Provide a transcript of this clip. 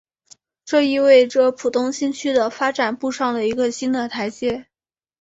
这意味着浦东新区的发展步上了一个新的台阶。